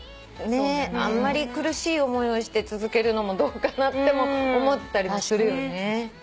あんまり苦しい思いをして続けるのもどうかなと思ったりもするよね。